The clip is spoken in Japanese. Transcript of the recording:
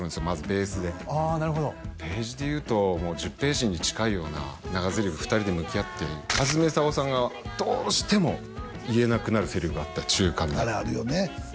まずベースでああなるほどページでいうともう１０ページに近いような長ゼリフ２人で向き合って橋爪功さんがどうしても言えなくなるセリフがあった中間であれあるよね